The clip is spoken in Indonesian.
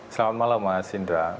selamat malam mas indra